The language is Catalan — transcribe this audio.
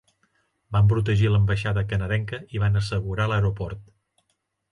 Van protegir l'ambaixada canadenca i van assegurar l'aeroport.